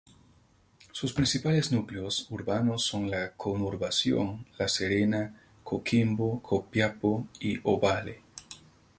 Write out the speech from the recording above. Sus principales núcleos urbanos son la conurbación La Serena-Coquimbo, Copiapó y Ovalle.